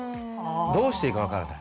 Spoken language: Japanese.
どうしていいか分からない。